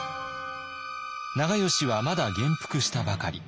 長慶はまだ元服したばかり。